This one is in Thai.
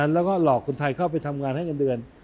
แล้วก็หลอกคนไทยเข้าไปทำงานให้เงินเดือน